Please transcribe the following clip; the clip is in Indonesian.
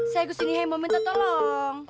saya kesini hei mau minta tolong